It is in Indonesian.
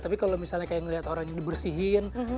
tapi kalau misalnya kayak ngeliat orang yang dibersihin